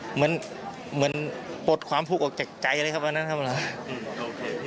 เหมือนปลดความทุกข์ออกจากใจเลยครับวันนั้นครับ